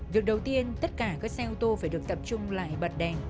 việc đầu tiên tất cả các xe ô tô phải được tập trung lại bật đèn